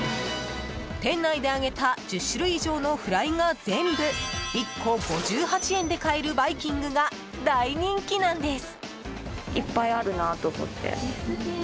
店内で揚げた１０種類以上のフライが全部、１個５８円で買えるバイキングが大人気なんです。